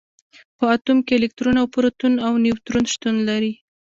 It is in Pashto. په اتوم کې الکترون او پروټون او نیوټرون شتون لري.